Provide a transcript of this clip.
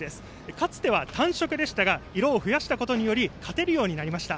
かつては、単色でしたが色を増やしたことにより勝てるようになりました。